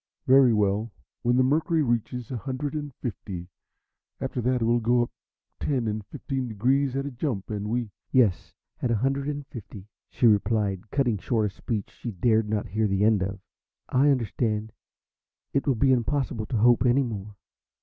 "Very well. When the mercury reaches a hundred and fifty. After that it will go up ten and fifteen degrees at a jump, and we " "Yes, at a hundred and fifty," she replied, cutting short a speech she dared not hear the end of. "I understand. It will be impossible to hope any more."